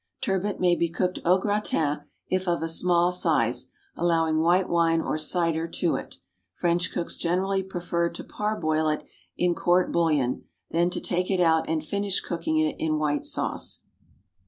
Turbot may be cooked au gratin if of a small size, allowing white wine or cider to it. French cooks generally prefer to par boil it in "court bouillon," then to take it out and finish cooking it in white sauce.